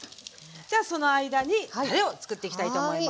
じゃあその間にたれをつくっていきたいと思います。